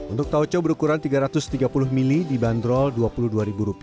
untuk taoco berukuran rp tiga ratus tiga puluh mili dibanderol rp dua puluh dua